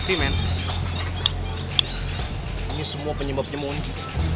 ini semua penyebabnya mongi